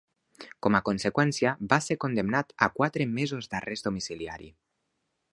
Com a conseqüència, va ser condemnat a quatre mesos d'arrest domiciliari.